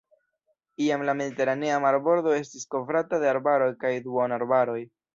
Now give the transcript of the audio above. Iam la mediteranea marbordo estis kovrata de arbaroj kaj duonarbaroj.